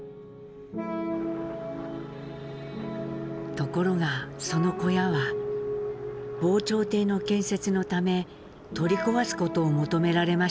ところがその小屋は防潮堤の建設のため取り壊すことを求められました。